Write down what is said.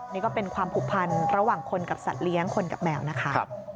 นี่ก็เป็นความผูกพันระหว่างคนกับสัตว์เลี้ยงคนกับแมวนะคะ